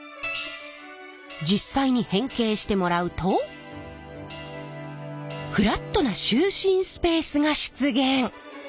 実際に変形してもらうとフラットな就寝スペースが出現！